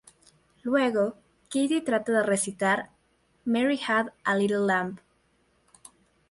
Luego, Kitty trata de recitar "Mary Had a Little Lamb".